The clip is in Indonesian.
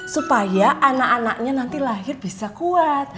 supaya anak anaknya nanti lahir bisa kuat